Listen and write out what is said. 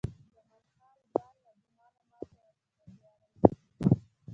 خان زمان: ځان ناګومانه مه اچوه، چې په دې اړه نه پوهېږې.